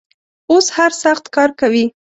اوس هر سخت کار کوي.